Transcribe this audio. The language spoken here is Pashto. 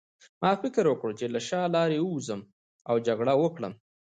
ما فکر وکړ چې له شا لارې ووځم او جګړه وکړم